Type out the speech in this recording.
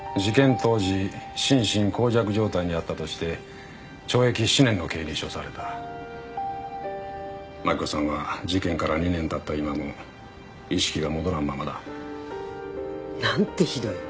当時心神耗弱状態にあったとして懲役７年の刑に処された真紀子さんは事件から２年たった今も意識が戻らんままだなんてひどい！